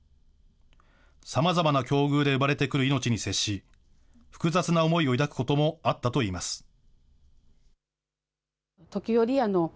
さまざまな境遇で生まれてくる命に接し、複雑な思いを抱くこともあったといいます。